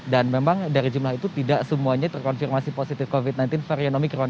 dan memang dari jumlah itu tidak semuanya terkonfirmasi positif covid sembilan belas varian omikron